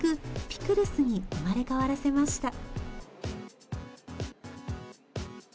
ピクルスに生まれ変わらせました